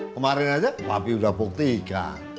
kemarin aja pak pi udah buktikan